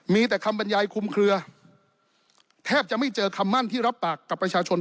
มีแต่คำบรรยายคุมเคลือแทบจะไม่เจอคำมั่นที่รับปากกับประชาชน